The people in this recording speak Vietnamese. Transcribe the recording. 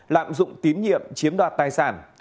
lạm dụng tín nhiệm chiếm đoạt tài sản